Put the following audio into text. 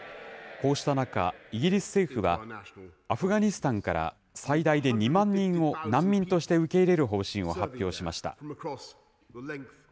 こうした中、イギリス政府は、アフガニスタンから最大で２万人を難民として受け入れる方針を発表しました。